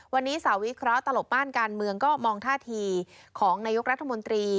วันนี้สาวิเคราะหลบม่านการเมืองก็มองท่าทีของนายกรัฐมนตรี